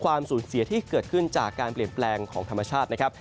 ความสูญเสียที่เกิดขึ้นจากการเปลี่ยนแปลงของธรรมชาตินะครับ